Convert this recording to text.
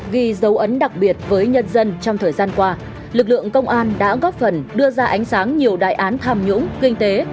ghi dấu ấn đặc biệt với nhân dân trong thời gian qua lực lượng công an đã góp phần đưa ra ánh sáng nhiều đại án tham nhũng kinh tế